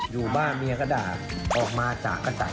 อยู่บ้านเมียก็ด่าออกมาจากกระต่าย